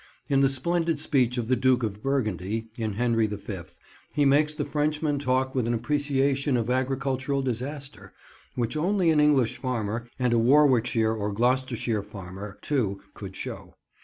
In the splendid speech of the Duke of Burgundy, in Henry the Fifth, he makes the Frenchman talk with an appreciation of agricultural disaster which only an English farmer, and a Warwickshire or Gloucestershire farmer, too, could show.